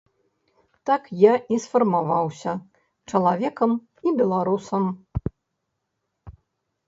Так я і сфармаваўся чалавекам і беларусам.